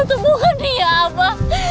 dia tidak mungkin buta abang